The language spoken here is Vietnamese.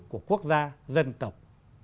của quốc gia dân tộc